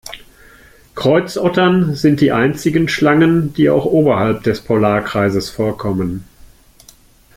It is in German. Kreuzottern sind die einzigen Schlangen, die auch oberhalb des Polarkreises vorkommen.